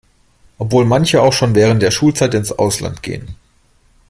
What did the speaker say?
Obwohl manche auch schon während der Schulzeit ins Ausland gehen.